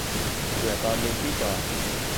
"เบื่อตอนลืมที่จอด"